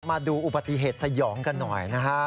มาดูอุบัติเหตุสยองกันหน่อยนะฮะ